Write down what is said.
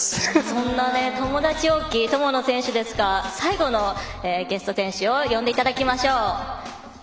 そんな友達多き友野選手ですが最後のゲスト選手を呼んでいただきましょう。